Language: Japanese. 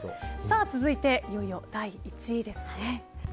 続いて、いよいよ第１位ですね。